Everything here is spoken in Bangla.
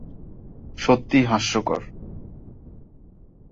সত্যিই হাস্যকর!